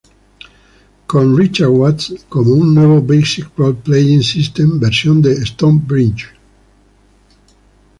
Con Richard Watts como un nuevo Basic Role-Playing System, versión de "Stormbringer.